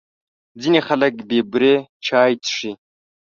ځینې خلک بې بوري چای څښي.